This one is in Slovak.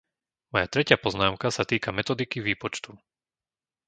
Moja tretia poznámka sa týka metodiky výpočtu.